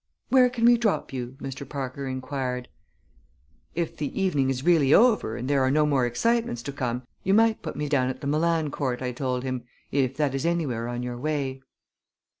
"Where can we drop you?" Mr. Parker inquired. "If the evening is really over and there are no more excitements to come, you might put me down at the Milan Court," I told him, "if that is anywhere on your way."